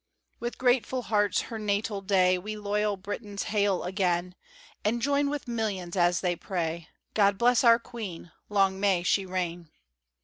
With grateful hearts her natal day We loyal Britons hail again, And join with millions as they pray "_God bless our Queen! Long may she reign!